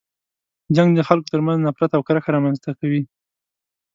جنګ د خلکو تر منځ نفرت او کرکه رامنځته کوي.